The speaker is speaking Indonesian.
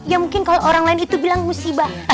ya mungkin kalau orang lain itu bilang musibah